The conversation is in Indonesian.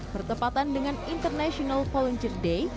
bertepatan dengan international volunteer day